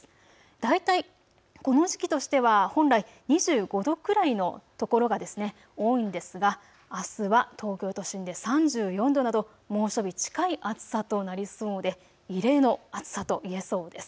大体、この時期としては本来２５度くらいのところが多いんですがあすは東京都心で３４度など猛暑日近い暑さとなりそうで異例の暑さといえそうです。